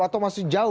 atau masih jauh